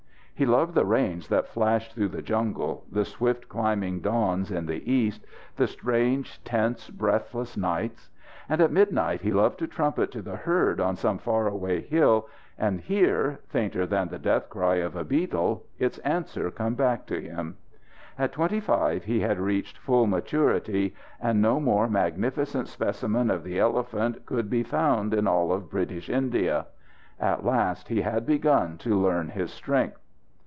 He loved the rains that flashed through the jungles, the swift climbing dawns in the east, the strange, tense, breathless nights. And at midnight he loved to trumpet to the herd on some far away hill, and hear, fainter than the death cry of a beetle, its answer come back to him. At twenty five he had reached full maturity; and no more magnificent specimen of the elephant could be found in all of British India. At last he had begun to learn his strength.